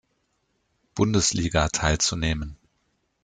Bundesliga teilzunehmen.